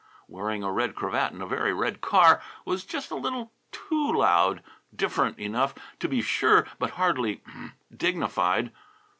Wearing a red cravat in a very red car was just a little too loud "different" enough, to be sure, but hardly "dignified."